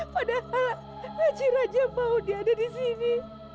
padahal raja raja mau dia ada di sini